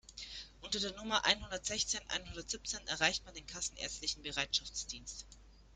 Unter der Nummer einhundertsechzehn einhundertsiebzehn erreicht man den kassenärztlichen Bereitschaftsdienst.